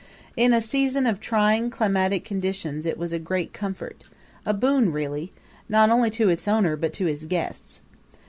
In a season of trying climatic conditions it was a great comfort a boon really not only to its owner but to his guests.